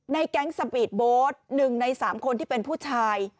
ในแก๊งสปีทโบสต์หนึ่งในสามคนที่เป็นผู้ชาย